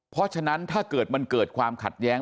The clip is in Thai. เพราะฉะนั้นถ้าเกิดมันเกิดความขัดแย้ง